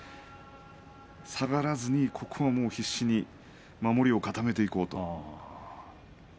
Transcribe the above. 下がらずに、ここは必死に守りを固めていこうと。